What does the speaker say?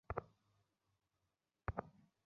আরো জোরে মারো!